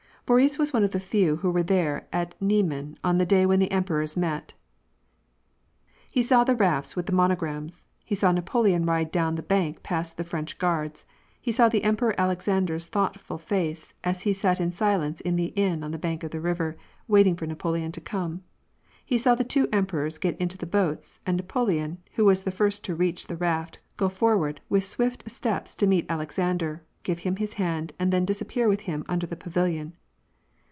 Boris was one of the few who were there at the Niemen on the day when the emperors met ; he saw the rafts with the monograms ; he saw Napoleon ride down the bank past the Frendi Guards ; he saw the Emperor Alexander's thoughtful face, as he sat in silence in the inn on the bank of the river, waiting for Napoleon to come ; he saw the two emperors get into the boats, and Napoleon, who was the first to reach the raft, go forward with swift steps to meet Alexander, give him Us hand, and then disappear with him under the pavilion.